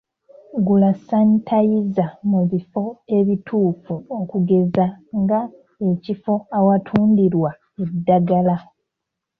Gula sanitayiza mu bifo ebituufu okugeza nga ekifo awatundirwa eddagala.